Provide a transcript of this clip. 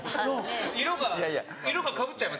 色が色がかぶっちゃいません？